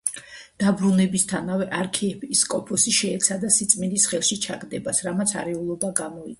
დაბრუნებისთანავე არქიეპისკოპოსი შეეცადა სიწმინდის ხელში ჩაგდებას, რამაც არეულობა გამოიწვია.